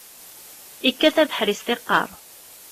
Ikkat abeḥri s tiqqaṛ.